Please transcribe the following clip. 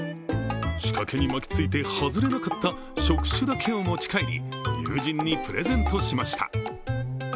仕掛けに巻きついて外れなかった触手だけを持ち帰り友人にプレゼントしました。